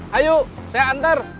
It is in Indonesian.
gak terlalu jauh dari sini